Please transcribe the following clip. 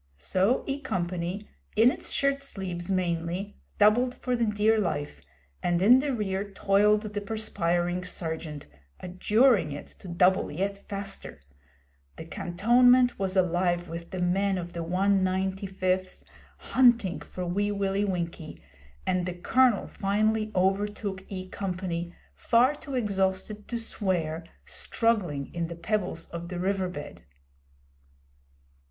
So E Company, in its shirt sleeves mainly, doubled for the dear life, and in the rear toiled the perspiring Sergeant, adjuring it to double yet faster. The cantonment was alive with the men of the 195th hunting for Wee Willie Winkie, and the Colonel finally overtook E Company, far too exhausted to swear, struggling in the pebbles of the river bed.